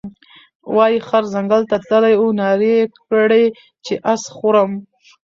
وايې خر ځنګل ته تللى وو نارې یې کړې چې اس خورم،